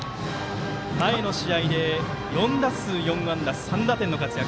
前の試合で４打数４安打３打点の活躍。